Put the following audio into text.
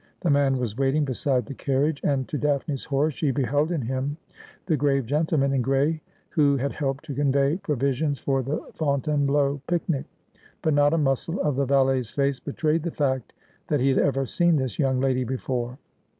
The man was waiting beside the carriage, and to Daphne's horror she beheld in him the grave gentleman in gray who had helped to convey provi sions for the Fontainebleau picnic : but not a muscle of the valet's face betrayed the fact that he had ever seen this young lady before.